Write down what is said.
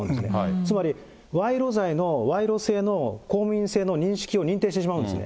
つまり、賄賂罪の賄賂性の公務員性の認識を認定してしまうんですね。